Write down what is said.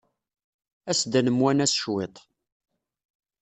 As-d ad nemwanas cwiṭ.